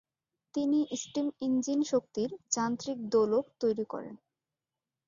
তিনি steam engine শক্তির যান্ত্রিক দোলক তৈরি করেন।